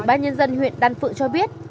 ban nhân dân huyện đan phượng cho biết